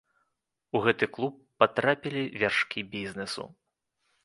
У гэты клуб патрапілі вяршкі бізнесу.